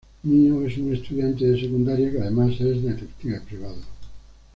Mio es una estudiante de secundaria, que además es detective privado.